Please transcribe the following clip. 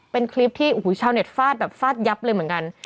เป็นคลิปที่โอ้โหชาวเน็ตฟาดแบบฟาดยับเลยเหมือนกัน